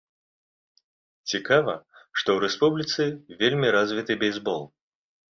Цікава, што ў рэспубліцы вельмі развіты бейсбол.